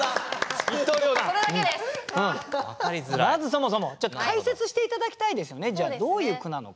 まずそもそもちょっと解説して頂きたいですよねじゃあどういう句なのか。